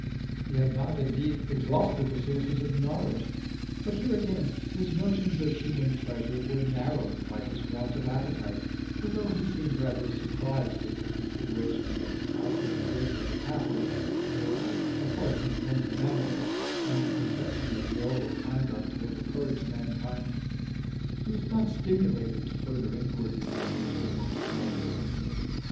He had not, indeed, exhausted the sources of knowledge, but here again his notions of human pleasure were narrowed by his want of appetite; for though he seemed rather surprised at the consideration that Alfred the Great was a Catholic, or that apart from the Ten Commandments any conception of moral conduct had occurred to mankind, he was not stimulated to further inquiries on these remote matters.